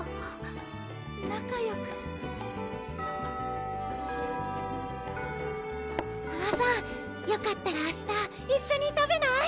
仲よく・・芙羽さんよかったら明日一緒に食べない？